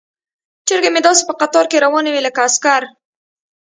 چرګې مې داسې په قطار کې روانې وي لکه عسکر.